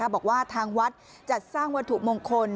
บอกว่าทางวัดจัดสร้างวัตถุมงคล